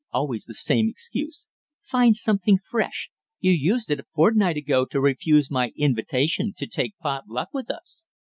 Always the same excuse! Find something fresh. You used it a fortnight ago to refuse my invitation to take pot luck with us."